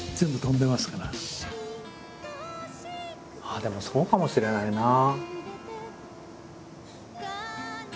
ああでもそうかもしれないなあ。